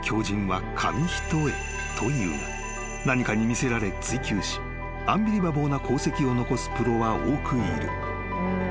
［こう言うが何かに魅せられ追求しアンビリバボーな功績を残すプロは多くいる］